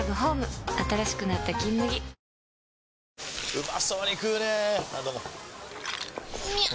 うまそうに食うねぇあどうもみゃう！！